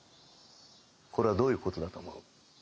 これはどういう事だと思う？